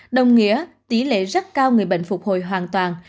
đồng nghĩa tỷ lệ rất cao người bệnh phục hồi hoàn toàn